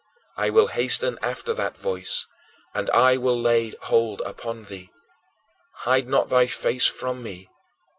I will hasten after that voice, and I will lay hold upon thee. Hide not thy face from me.